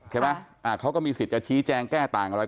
เขาก็มีสิทธิ์จะชี้แจงแก้ต่างอะไร